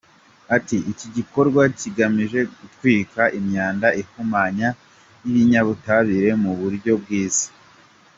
Ati “Iki gikorwa kigamije gutwika imyanda ihumanya y’ibinyabutabire mu buryo bwiza.